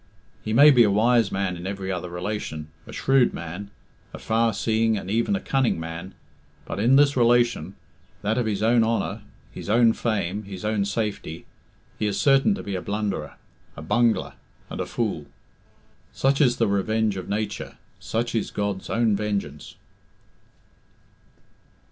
He may be a wise man in every other relation, a shrewd man, a far seeing and even a cunning man, but in this relation that of his own honour, his own fame, his own safety he is certain to be a blunderer, a bungler, and a fool. Such is the revenge of Nature, such is God's own vengeance!